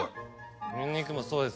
ニンニクもそうです。